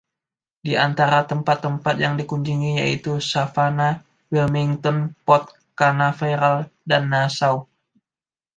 Di antara tempat-tempat yang dikunjungi yaitu Savannah, Wilmington, Port Canaveral, dan Nassau.